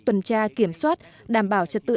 tuần tra kiểm soát đảm bảo trật tự